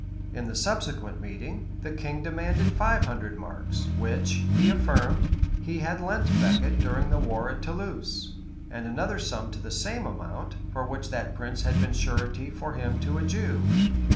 In the subsequent meeting, the king demanded five hundred marks, which, he affirmed, he had lent Becket during the war at Toulouse; and another sum to the same amount, for which that prince had been surety for him to a Jew.